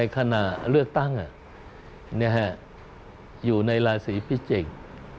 ขณะเลือกตั้งอยู่ในราศีพิจิกษ์